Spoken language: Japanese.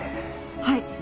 はい。